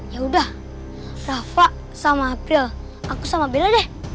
ya udah rafa sama april aku sama bela deh